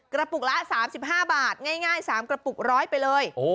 กระปุกละ๓๕บาทง่าย๓กระปุก๑๐๐ไปเลย